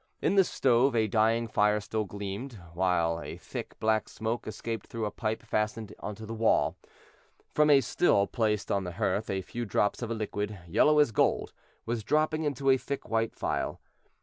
In the stove a dying fire still gleamed, while a thick black smoke escaped through a pipe fastened into the wall. From a still placed on the hearth a few drops of a liquid, yellow as gold, was dropping into a thick white phial.